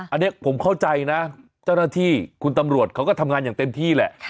อันนี้ผมเข้าใจนะเจ้าหน้าที่คุณตำรวจเขาก็ทำงานอย่างเต็มที่แหละ